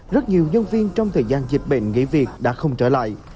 rất nhiều nhân viên trong thời gian dịch bệnh nghỉ việc đã không trở lại